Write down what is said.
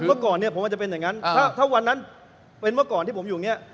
เมื่อก่อนเนี่ยผมอาจจะเป็นอย่างนั้นถ้าวันนั้นเป็นเมื่อก่อนที่ผมอยู่อย่างนี้